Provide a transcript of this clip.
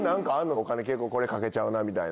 お金結構これかけちゃうなみたいな。